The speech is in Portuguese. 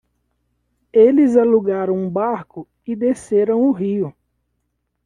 Eles alugaram um barco e desceram o rio.